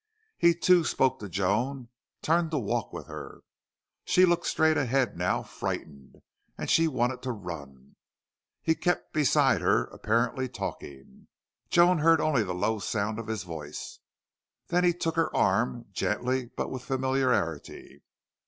He, too, spoke to Joan, turned to walk with her. She looked straight ahead now, frightened, and she wanted to run. He kept beside her, apparently talking. Joan heard only the low sound of his voice. Then he took her arm, gently, but with familiarity.